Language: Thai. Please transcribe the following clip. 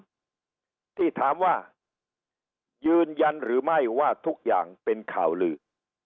ที่ถามว่ายืนยันหรือไม่ว่าทุกอย่างเป็นข่าวลือ